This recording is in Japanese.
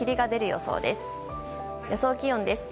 予想気温です。